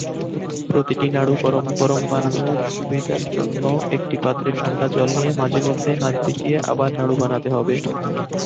প্রতিটি নাড়ু গরম গরম বানানোর সুবিধার জন্য একটি পাত্রে ঠাণ্ডা জল নিয়ে মাঝে মধ্যে হাত ভিজিয়ে আবার নাড়ু বানাতে হবে।